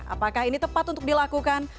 apakah ini tepat untuk dilakukan